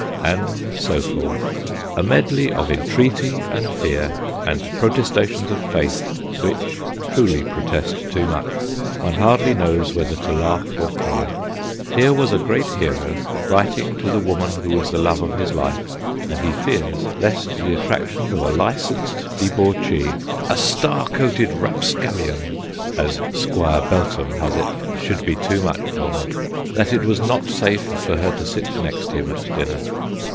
And so forth : a medley of entreaty and fear, and protestations of faith, which truly pro test too much. One hardly knows whether to laugh or cry. Here was a great hero, writing to the woman who was the love of MAG IS AM 1C A 189 his life, and he fears lest the attractions of a licensed debauchee, 'a star coated rap scallion/ as Squire Beltham has it, should be too much for her ; that it was not safe for her to sit next him at dinner.